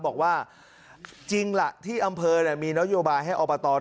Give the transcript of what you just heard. บอกว่าจริงล่ะที่อำเภอมีนโยบายให้อบต